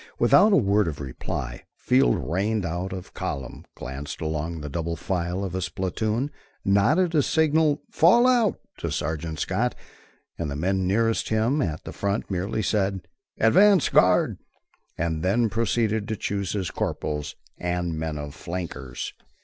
Without a word of reply, Field reined out of column, glanced along the double file of his platoon, nodded a signal "Fall out" to Sergeant Scott, and the men nearest him at the front, merely said "Advance guard," and then proceeded to choose his corporals and men for flankers.